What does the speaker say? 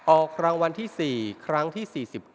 ออกรางวัลที่๔ครั้งที่๔๙